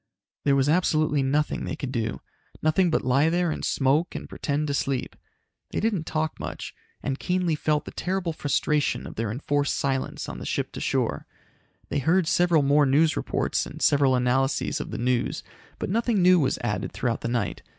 There was absolutely nothing they could do. Nothing but lie there and smoke and pretend to sleep. They didn't talk much, and keenly felt the terrible frustration of their enforced silence on the ship to shore. They heard several more news reports and several analyses of the news, but nothing new was added throughout the night.